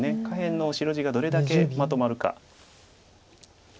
下辺の白地がどれだけまとまるか。